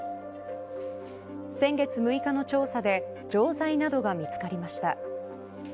先月６日の調査で錠剤などが見つかりました。